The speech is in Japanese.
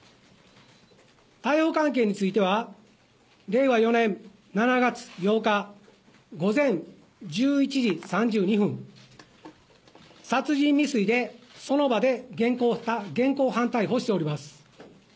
逮捕関係については、令和４年７月８日午前１１時３２分、殺人未遂でその場で現行犯逮捕しております。